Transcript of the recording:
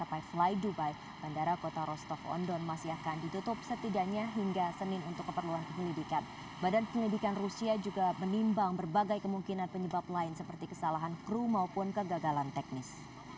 pesawat boeing tujuh ratus tiga puluh tujuh delapan ratus ini tidak bisa mendarat di bandara rostov on don karena angin kencang dan jarak pandang yang terbatas